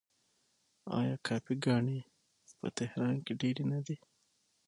آیا کافې ګانې په تهران کې ډیرې نه دي؟